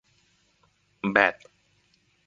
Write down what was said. แบต